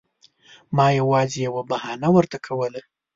ما یوازې یوه بهانه ورته کوله.